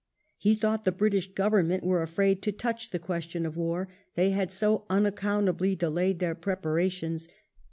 He thought the British Government were afraid " to touch the question of war," they had so "unaccountably delayed their preparations."